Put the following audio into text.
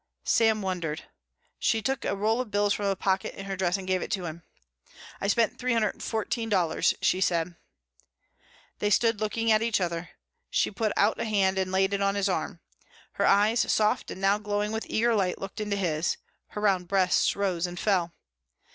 Sam wondered. She took a roll of bills from a pocket in her dress and gave it to him. "I spent three hundred and fourteen dollars," she said. They stood looking at each other. She put out a hand and laid it on his arm. Her eyes, soft and now glowing with eager light looked into his. Her round breasts rose and fell.